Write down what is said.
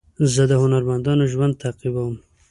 زه د هنرمندانو ژوند تعقیبوم.